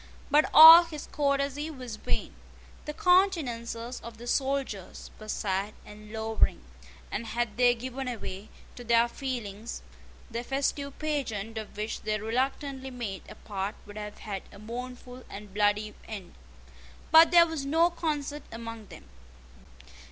But all his courtesy was vain. The countenances of the soldiers were sad and lowering; and had they given way to their feelings, the festive pageant of which they reluctantly made a part would have had a mournful and bloody end. But there was no concert among them.